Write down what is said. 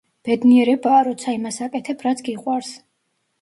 ბედნიერებაა, როცა იმას აკეთებ, რაც გიყვარს.